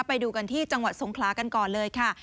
ไปดูกันที่จังหวัดสงขลากันก่อนเลยค่ะ